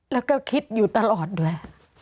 แล้วก็คิดอยู่ตลอดด้วย